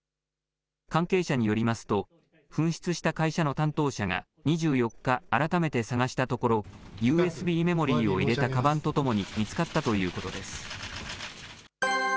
関係者によりますと、紛失した会社の担当者が２４日、改めて探したところ、ＵＳＢメモリーを入れたかばんとともに見つかったということです。